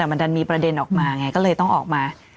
มันดันมีประเด็นออกมาไงก็เลยต้องออกมา